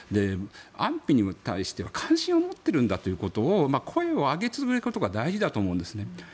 安否に対しては関心を持ってるんだということを声を上げ続けることが大事だと思うんですね。